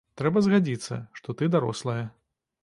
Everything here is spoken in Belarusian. Трэба згадзіцца, што ты дарослая.